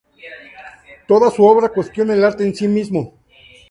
Toda su obra cuestiona el arte en sí mismo.